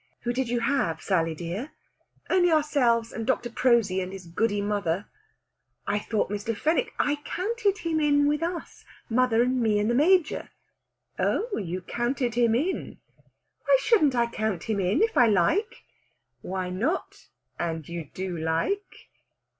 "Who did you have, Sally dear?" "Only ourselves, and Dr. Prosy and his Goody mother." "I thought Mr. Fenwick " "I counted him in with us mother and me and the Major." "Oh, you counted him in?" "Why shouldn't I count him in, if I like?" "Why not? And you do like?"